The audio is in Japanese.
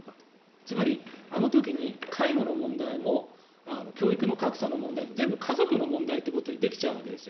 つまり、あの時に介護の問題も教育の格差の問題も全部家族の問題ってことにできちゃうわけですよ。